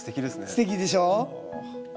すてきでしょう？